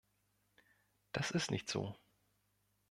Das ist nicht so.